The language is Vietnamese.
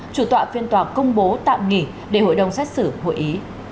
chủ tọa phiên tòa công bố tạm nghỉ để hội đồng xét xử hội ý